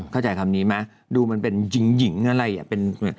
เข้าใจคำนี้ไหมดูมันเป็นหญิงอะไรอ่ะ